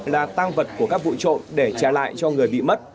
là tăng vật của các vụ trộm để trả lại cho người bị mất